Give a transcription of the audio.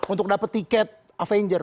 untuk dapat tiket avenger